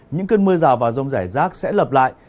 những cơn mưa rào và rông rải rác sẽ lập lại